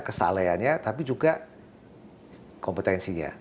kesalahannya tapi juga kompetensinya